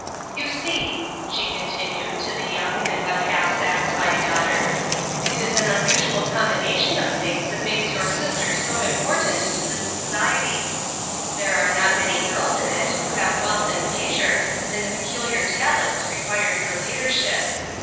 "You see," she continued to the young and but half satisfied daughter, "it is an unusual combination of things that makes your sister so important to this society. There are not many girls in it who have wealth and leisure, and the peculiar talents required for leadership.